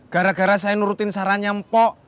gara gara saya nurutin saran nyam pok